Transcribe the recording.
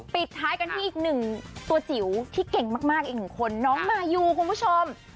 ปิดท้ายกันที่อีกหนึ่งตัวจิ๋วที่เก่งมากอีกหนึ่งคนน้องมายูคุณผู้ชม